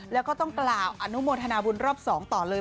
แล้วก็ต้องกล่าวอนุโมทนาบุญรอบ๒ต่อเลย